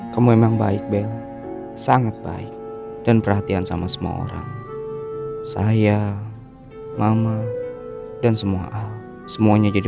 kamu memang baik bel sangat baik dan perhatian sama semua orang saya mama dan semua al semuanya jadi